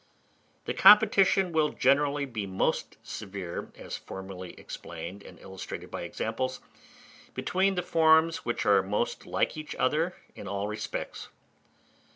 The competition will generally be most severe, as formerly explained and illustrated by examples, between the forms which are most like each other in all respects.